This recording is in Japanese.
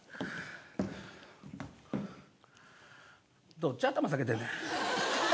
どっち頭下げてんねん。